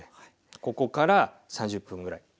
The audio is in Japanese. ここから３０分ぐらい。